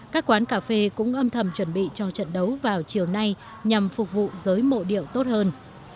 các quán cà phê cũng âm thầm chuẩn bị cho trận đấu vào chiều nay nhằm phục vụ giới mộ điệu tốt hơn